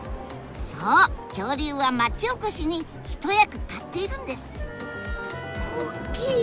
そう恐竜は町おこしに一役買っているんです！